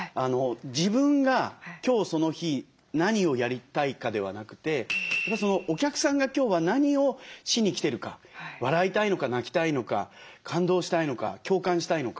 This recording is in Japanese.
自分が今日その日何をやりたいかではなくてお客さんが今日は何をしに来てるか。笑いたいのか泣きたいのか感動したいのか共感したいのか。